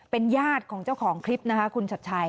เป็นญาติของเจ้าของคลิปนะคะคุณชัดชัย